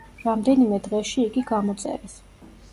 რამდენიმე დღეში იგი გამოწერეს.